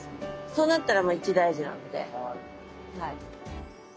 そうなったら一大事なんではい。